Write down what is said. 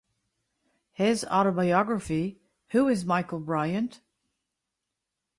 His autobiography Who is Michael Briant?